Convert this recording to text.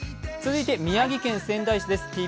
続いて宮城県仙台市です。